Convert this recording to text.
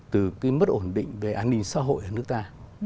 từ cái mất ổn định về an ninh xã hội ở nước ta